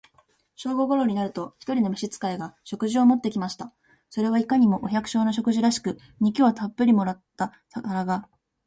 正午頃になると、一人の召使が、食事を持って来ました。それはいかにも、お百姓の食事らしく、肉をたっぶり盛った皿が、